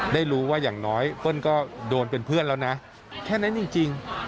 ได้รู้ว่าอย่างน้อยเปิ้ลก็โดนเป็นเพื่อนแล้วนะแค่นั้นจริง